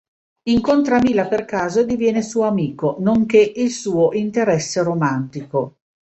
Incontra Mila per caso e diviene suo amico, nonché il suo interesse romantico.